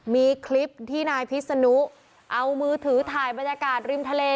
มีคลิปที่นายพิษนุเอามือถือถ่ายบรรยากาศริมทะเล